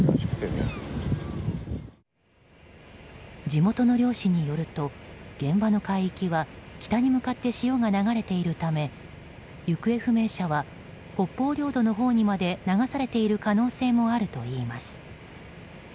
地元の漁師によると現場の海域は北に向かって潮が流れているため行方不明者は北方領土のほうにまで流されている可能性もあるといいます。